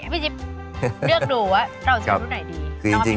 พี่จิ๊บเลือกดูว่าเราจะเอารุ่นไหนดี